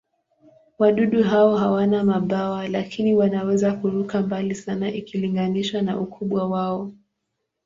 Wadudu hao hawana mabawa, lakini wanaweza kuruka mbali sana ikilinganishwa na ukubwa wao.